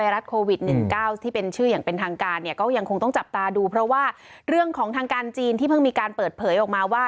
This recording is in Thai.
เรื่องของทางการจีนที่เพิ่งมีการเปิดเผยออกมาว่า